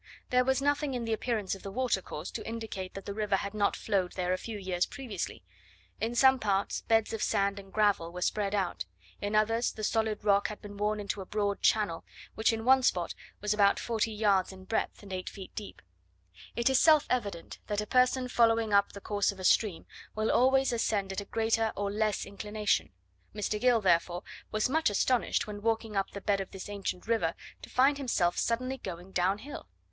There was nothing in the appearance of the water course to indicate that the river had not flowed there a few years previously; in some parts, beds of sand and gravel were spread out; in others, the solid rock had been worn into a broad channel, which in one spot was about 40 yards in breadth and 8 feet deep. It is self evident that a person following up the course of a stream, will always ascend at a greater or less inclination: Mr. Gill, therefore, was much astonished, when walking up the bed of this ancient river, to find himself suddenly going down hill.